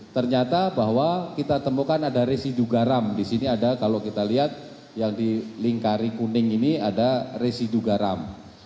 ternyata bahwa kita temukan ada residu garam di sini ada kalau kita lihat yang di lingkari kuning ini ada residu garam